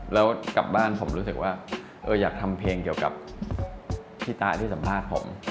แล้วกลับบ้านผมรู้สึกว่าอยากทำเพลงเกี่ยวกับพี่ตาที่สัมภาษณ์ผม